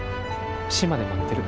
島で待ってる。